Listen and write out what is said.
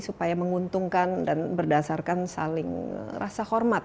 supaya menguntungkan dan berdasarkan saling rasa hormat